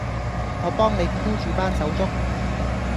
我幫你箍住班手足